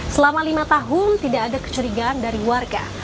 selama lima tahun tidak ada kecurigaan dari warga